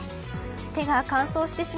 手が乾燥してしま